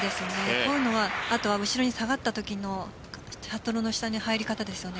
こういうのは後ろに下がったときのシャトルの下への入り方ですよね。